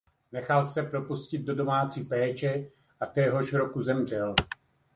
Nechal se propustit do domácí péče a téhož roku zemřel.